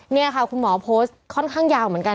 นี่ค่ะคุณหมอโพสต์ค่อนข้างยาวเหมือนกัน